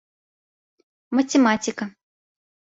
Математика